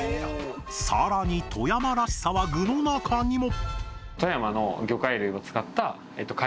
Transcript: さらに富山らしさは具の中にも。